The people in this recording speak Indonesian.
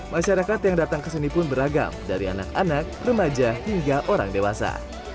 masyarakat yang datang ke sini pun beragam dari anak anak remaja hingga orang dewasa